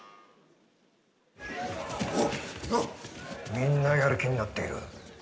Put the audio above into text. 「みんなやる気になっている。